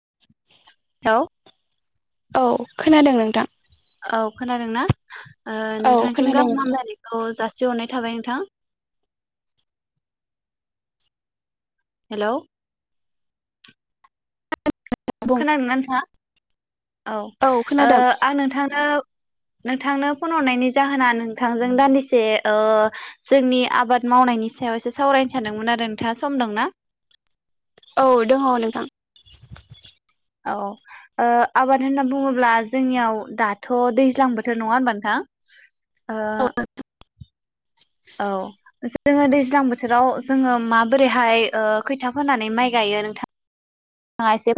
[inaudible] औ खोनादों नोंथां। औ खोनादों ना। ओ औ नोंथांसिम खोनादों गाहाम नोंथां हामलायनायखौ जासि। सि हरनाय थाबाय नोंथां। हेलौ। बुं खोनादोंना नोंथाङा। औ ओ आं नोंथांनो। नोंथांनो फन हरनायनि जाहोना नोंथांजों दानदिसे ओ जोंनि आबाद मावनायनि सायाव एसे सावरायनो सानदोंमोन आरो नोंथाङा सम दंना। औ दङ नोंथां। औ ओ आबाद होनना बुङोब्ला जोंनियाव दाथ' दैज्लां बोथोर नङा होनबा नोंथां। ओ औ औ। जोङो दैज्लां बोथोराव जोङो माबोरैहाय ओ खैथा फोनानै माइ गायो नोंथां। ना एसे।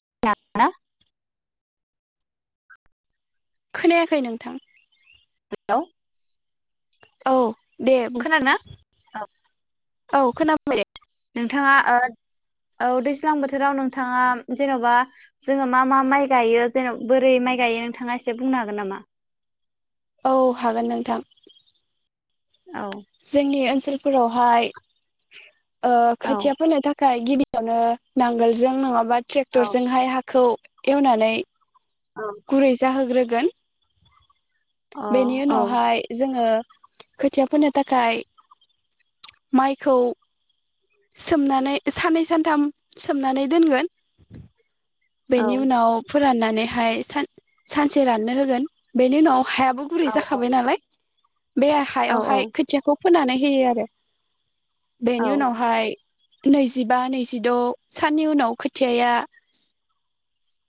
खोनायाखै नोंथां। हेलौ। औ। दे बुं खोनादोंना औ। औ खोनाबाय दे। नोंथाङा ओ औ दैज्लां बोथोराव नोंथाङा जेन'बा जोङो मा मा माइ गायो ज बोरै माइ गायो नोंथाङा एसे बुंनो हागोन नामा। औ हागोन नोंथां। औ जोंनि ओन। ओनसोलफोरावहाय। ओ औ खोथिया फोनो थाखाय। नाथाय गिबियावनो नांगोलजों नङाबा। औ ट्रेक्टरजोंहाय हाखौ। एवनानै। औ गुरै जाहोग्रो गोन। दोन। अ बेनि औ उनावहाय जोङों। खोथिया फोनो थाखाय माइखौ सोमनानै साननै सानथाम सोमनानै दोनगोन औ बेनि उनाव फु फोराननानैहाय सान-सानसे राननो होगोन बेनि उनाव हायाबो औ गुरै जाखाबाय नालाय बे औ हायावहाय खोथियाखौ फोनानै होयो आरो औ बेनि नाव नैजिबा नैजिद' साननि उनाव खोथियाया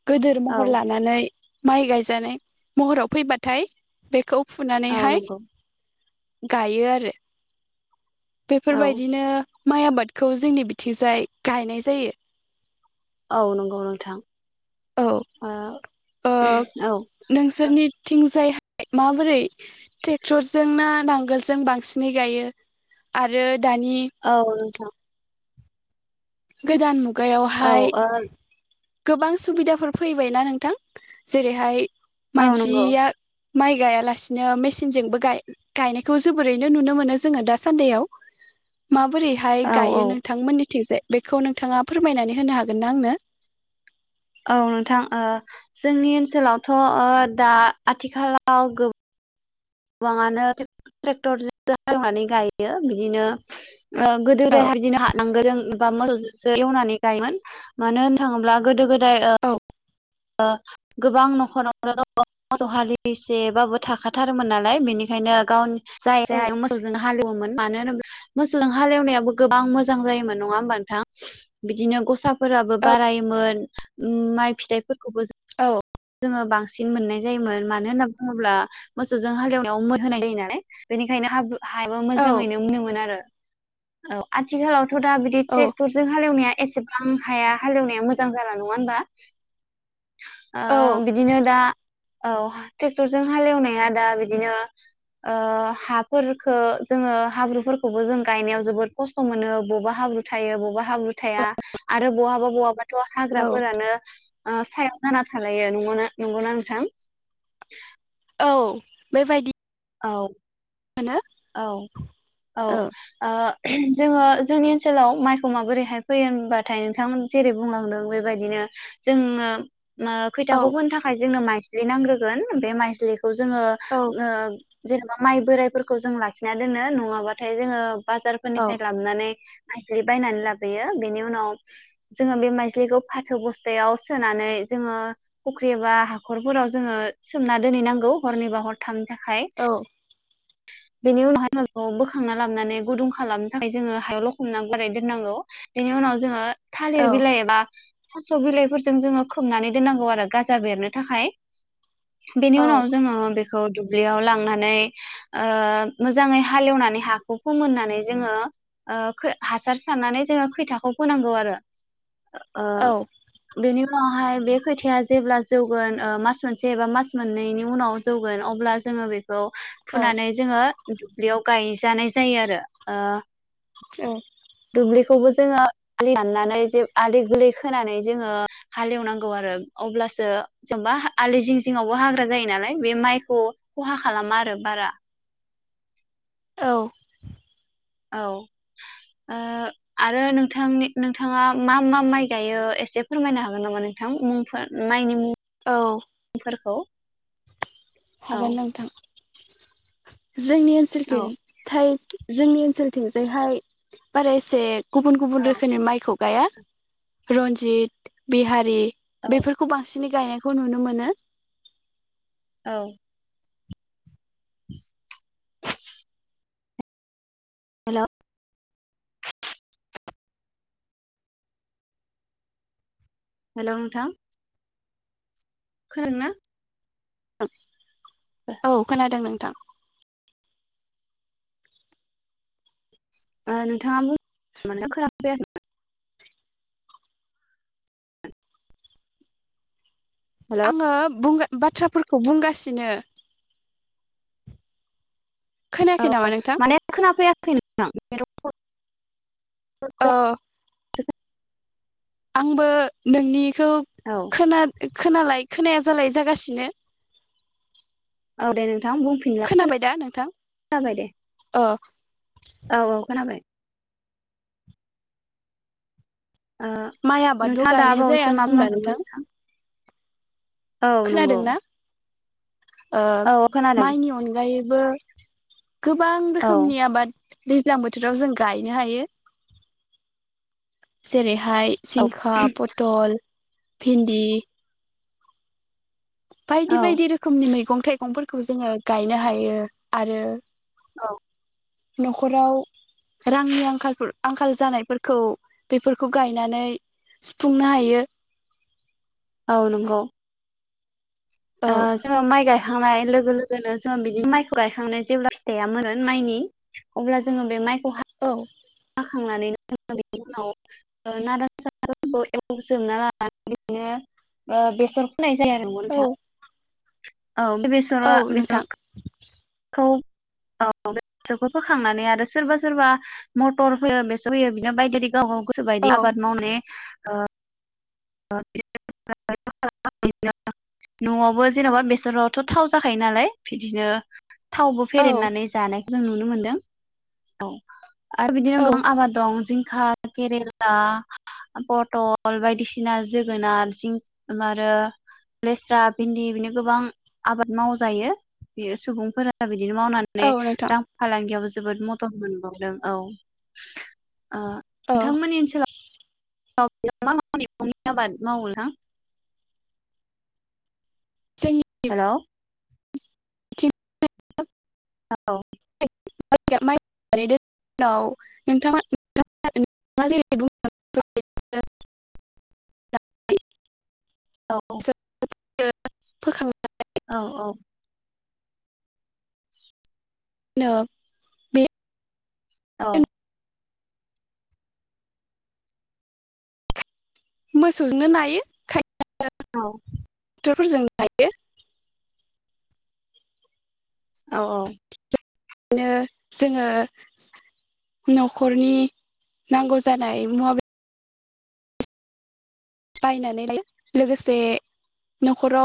गोदोर औ महर लानानै माइ गायजानाय महराव फैबाथाय बेखौ औ फुनानैहाय नंगौ गायो आरो औ बेफोरबायदिनो माइ आबादखौ जोंनि बिथिंजाय गायनाय जायो औ नंगौ नोंथां औ ओ ओ औ नोंसोरनिथिंजाय माबोरै ट्रेक्टरजों ना नांगोलजों बांसिनै गायो आरो दानि औ नोंथां गोदान मुग औ गायावहाय ओ गोबां सुबिदाफोर फैबायना नोंथां जेरैहाय औ नंगौ मानसिया माइ गायालासिनो मेसिनजोंबो गाय-गायनायखौ जोबोरैनो नुनो मोनो जोङो दासान्दियाव माबोरैहाय औ औ गायो नोंथांमोननिथिंजाय बेखौ नोंथाङा फोरमायनानै होनो हागोन ना आंनो औ नोंथां ओ जोंनि ओनसोलावथ' ओ दा आथिखालाव गो गोबाङानो टेक-ट्रेक्टर हालोवनानै गायो बिदिनो गोदो औ दायहाय बिदिनो हा नांगोलजों बा मोसौजोसो एवनानै गायोमोन मानो होन थाङोब्ला गोदो गोदा दाय ओ औ ओ गोबां न'खरावनो मोसौव हालिसेबाबो थाखाथारोमोन नालाय बेनिखायनो गावनि जाय औ जायहा मोसौजोंनो हालेवोमोन मानो होन मोसौजों हालेवनायाबो गोबां मोजां जायोमोन नङा होमबा नोंथां बिदिनो गसा फोराबो बारायोमोन माइ फिथाइफोर खौबोज औ जोङो बांसिन मोननाय जायोमोन मानो होनना बुङोब्ला मोसौजों हालेवनायाव मै होनाय जायो नालाय बेनिखायनो हाजु हायाबा औ मोजाङैनो मोनोमोन आरो औ आथिखालाव थ' दा बिदि ट्रेक्टर जों हालेवनाया ए सेबां हाया हालेवनाया मोजां जाला नङा होमबा ओ औ बिदिनो दा औ टेक्टरजों हालेवनाया दा बिदिनो ओ हाफोरखो जोङो हाब्रुफोरखौबो जों गायनायाव जोबोद खस्थ' मोनो बबा हाब्रु थायो बबा हाब्रु थाया आरो बहाबा बहाबा थ' औ हाग्राफोरानो ओ सायाव जाना थालायो नंगौना नंगौना नोंथां? औ बेबायदि औ मोनो औ औ ओ जोङो जोंनि ओनसोलाव माइखौ माबोरैहाय फोयो होनबाथाय नोंथांमोन जेरै- बुंलांदों बेबायदिनो जोङो मो औ खैथाखौ फोनो थाखाय जोंनो माइज्लि नांग्रो गोन बे माइज्लि खौ जोङो औ ओ जेनेबा माइ बोराइफोरखौ जों लाखिना दोनो नङाबाथाय जोङो औ बाजारफोरनिफ्राय लाबनानै माइज्लि बायनानै लाबोयो बेनि उनाव जोङो बे माइज्लिखौ फाथो ब'स्थायाव सोनानै जोङो फुख्रि बा हाखरफोराव जोङो सोमना दोनहैनांगौ हरनैबा हरथामनि थाखाय औ बेनि उनावहाय [unintelligible] बोखांना लाबनानै गुदुं खालामनो थाखाय जोङो हायाव लखबना गारना दोननांगौ बेनि उनाव जोङो औ थालिर बिलाइ एबा थास' बिलाइफोरजों जोङो खोबनानै दोननांगौ आरो गाजा बेरनो थाखाय बेनि औ उनाव जोङो बे खौ दुब्लियाव लांनानै ओ मोजाङै हालेवनानै हाखौ फोमोननानै जोङो ओ खो हासार सारनानै जोङो खैथाखौ फोनांगौ आरो । ओ औ बेनि उनावहाय बे खैथाया जेब्ला जौगोन ओ मास मोनसे एबा मास मोननैनि उनाव जौगोन अब्ला जोङो बेखौ फुनानै जोङो दुब्लियाव गायजानाय जायो आरो ओ औ। दुब्लिखौबो जोङो [unintelligible] दाननानै जे आलि गोरलै खोनानै जोङो हालेवनांगौ आरो अब्लासो जेनेबा आलि जिं जिंआवबो हाग्रा जायो नालाय बे माइखौ खहा खालामा आरो। बारा। औ औ ओ आरो नोंथांनि नोंथाङा मा मा माइ गायो एसे फोरमायनो हागोन नामा नोंथां मुंफोर माइनि मुं औ फोरखौ? हागोन नोंथां जोंनि ओनसोलखै औ थाइ जोंनि ओनसोलथिंजायहाय बारा इसे गुबुन गुबुन रोखोमनि माइखौ गाया रन्जित, बिहारि औ बेफोरखौ बां सिनै गायनायखौ नुनो मोनो। औ [inaudible] हेल' हेल' नोंथां खोनादोंना? औ खोनादों नोंथां। ओ नोंथाङा [unintelligible] हेल' आङो बुं बाथ्राफोरखौ बुंगासिनो। खोनायाखै नामा औ नोंथां माने खोनाफैयाखै नोंथां [unintelligible] ओ [inaudible] आंबो नोंनि खौ औ खोना खोनालाय खोनाया जालाय जागासिनो। औ दे नोंथां बुंफिनलाय खो खोनाबाय दा नोंथां नाबाय दे। अ औ औ खोनाबाय। ओ माइ आबादल' नोंथाङा दा गायनाय जाया बावैसो मा होनबा बुंलांदोंमोन नोंथां? औ नंगौ खोनादोंना ओ औ खोनादों माइनि अनगायैबो गोबां औ रोखोमनि आबाद दैज्लां बोथोराव जों गायनो हायो। जेरै हाइ औ जिंखा, पथल भिन्दि औ बायदि बायदि रोखोमनि मैगं थाइगंफोरखौ खौ जोङो गायनो हायो आरो। औ। न'खराव। रांनि आंखालफोर आंखा खाल जानायफोरखौ बेफोरखौ गायनानै सुफुंनो हायो। औ नंगौ। औ ओ जोङो माइ गायखांनाय लोगो लोगो। गोनो जों बिदि माइखौ गायखांनाय जेब्ला फिथाइया मोनोन माइनि अब्ला जोङो बे माइखौहाय। औ [unintelligible] [unintelligible] औ नोंथां औ बे औ बेसरा बेसर नोंथां [unintelligible] औ सोबायदि आबाद मावनो ने। ओ। [unintelligible] न'आवबो जेन'बा बेसरावथ' थाव जाखायो नालाय बिदिनो। थावबो औ फेरेनानै जानाय। जों नुनो मोनदों औ। आरो बिदिनो औ गोबां आबाद दं। [unintelligible] केरेला पटल बायदिसिना। सिना जोगोनार जिंक आरो लेस्रा भिन्दि बिदिनो गोबां आबाद मावजायो बे सुबुंफोरा बिदि। बिदिनो औ मावनानै नोंथां रां फालांगियावबो जोबोद मदद मोनबावदों औ। ओ औ नोंथांमोननि ओनसोलाव। [unintelligible] जै। हेलौ। ब [inaudible] औ। [unintelligible] औ। फोखांना। औ औ। नो बे। औ। मोसौजोंनो नायो खाय। औ फोरजों नायो औ औ नो जोङो नखरनि नांगौ जानाय मुवा बे बायनानै लायो लोगोसे नखराव